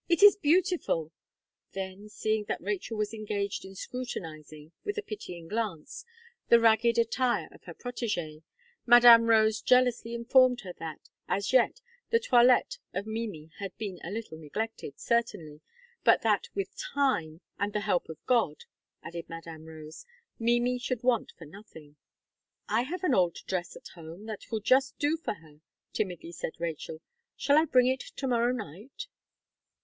"It is beautiful!" Then, seeing that Rachel was engaged in scrutinizing, with a pitying glance, the ragged attire of her protege, Madame Rose jealously informed her that, as yet, the toilette of Mimi had been a little neglected, certainly; but that, "with time, and the help of God," added Madame Rose, "Mimi should want for nothing." "I have an old dress at home, that will just do for her," timidly said Rachel "Shall I bring it to morrow night?"